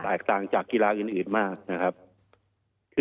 แตกต่างจากกีฬาอื่นมาก